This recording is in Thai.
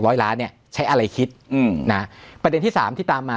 ร้อยล้านเนี้ยใช้อะไรคิดอืมนะประเด็นที่สามที่ตามมา